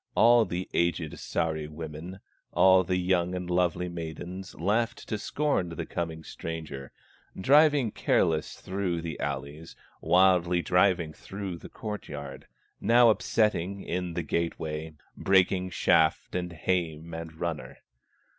All the aged Sahri women, All the young and lovely maidens Laughed to scorn the coming stranger Driving careless through the alleys, Wildly driving through the court yard, Now upsetting in the gate way, Breaking shaft, and hame, and runner.